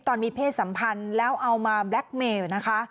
มีเพศสัมพันธ์แล้วเอามาแบล็คเมลนะคะ